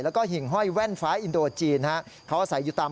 แล้วก็หิ่งห้อยแว่นฟ้าอินโดจีนฮะเขาอาศัยอยู่ตาม